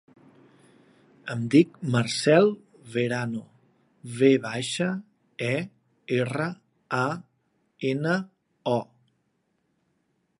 Em dic Marcèl Verano: ve baixa, e, erra, a, ena, o.